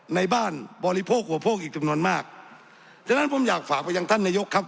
ในบ้านบริโภคอุปโภคอีกจำนวนมากฉะนั้นผมอยากฝากไปยังท่านนายกครับ